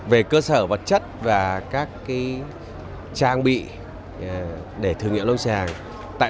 về cơ sở vật chất và các trang bị để thử nghiệm lông xe